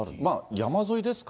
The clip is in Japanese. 山沿いですか？